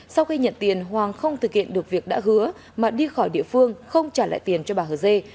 sau khi nhận tiền hoàng không thực hiện được việc đã hứa mà đi khỏi địa phương không trả lại tiền cho bà hờ dê